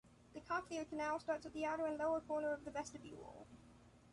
The cochlear canal starts at the outer and lower corner of the vestibule.